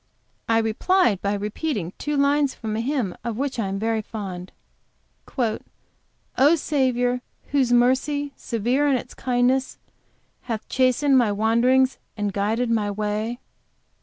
I replied by repeating two lines from a hymn of which I am very fond: 'O Saviour, whose mercy severe in its kindness, Hath chastened my wanderings, and guided my way.'